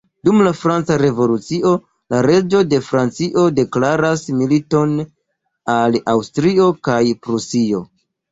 Dum la Franca Revolucio, la reĝo de Francio deklaras militon al Aŭstrio kaj Prusio.